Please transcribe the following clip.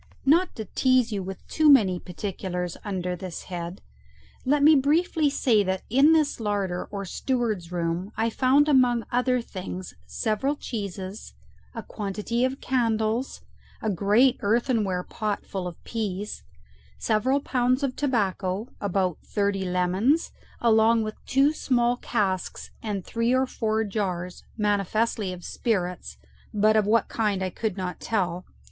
Not to tease you with too many particulars under this head, let me briefly say that in this larder or steward's room I found among other things several cheeses, a quantity of candles, a great earthenware pot full of pease, several pounds of tobacco, about thirty lemons, along with two small casks and three or four jars, manifestly of spirits, but of what kind I could not tell.